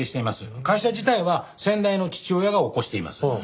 会社自体は先代の父親が起こしています。